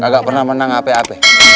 gak pernah menang ap ap